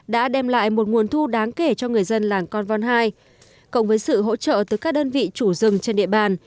đã đem lại một nguồn thu đáng kể cho người dân làng con vòn hai cộng với sự hỗ trợ từ các đơn vị chủ rừng trên địa bàn đời sống của con rừng